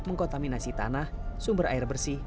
mengkontaminasi tanah sumber air bersih